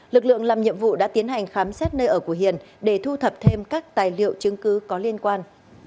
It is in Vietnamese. lực lượng làm nhiệm vụ đã tiến hành khám xét nơi ở của hiền để thu thập thêm các tài liệu chứng cứ có liên quan